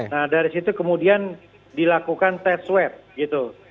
nah dari situ kemudian dilakukan test web gitu